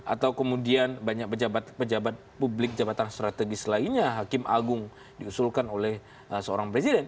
atau kemudian banyak pejabat pejabat publik jabatan strategis lainnya hakim agung diusulkan oleh seorang presiden